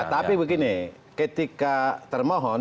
tapi begini ketika termohon